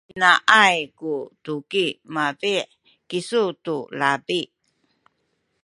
pinaay ku tuki mabi’ kisu tu labi?